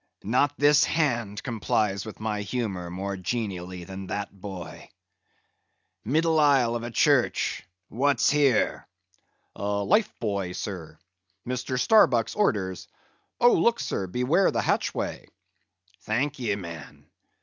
Not this hand complies with my humor more genially than that boy.—Middle aisle of a church! What's here?" "Life buoy, sir. Mr. Starbuck's orders. Oh, look, sir! Beware the hatchway!" "Thank ye, man.